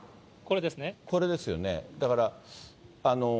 これですよね、だから。